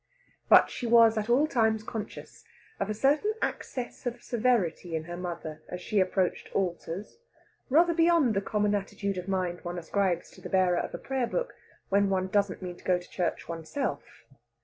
But she was at all times conscious of a certain access of severity in her mother as she approached altars rather beyond the common attitude of mind one ascribes to the bearer of a prayer book when one doesn't mean to go to church oneself.